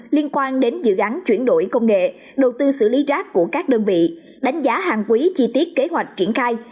liên quan đến dự án chuyển đổi công nghệ đầu tư xử lý rác của các đơn vị đánh giá hàng quý chi tiết kế hoạch triển khai